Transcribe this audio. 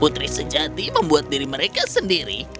putri sejati membuat diri mereka sendiri